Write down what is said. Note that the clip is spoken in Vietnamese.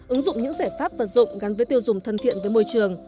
ứng dụng những giải pháp vật dụng gắn với tiêu dùng thân thiện với môi trường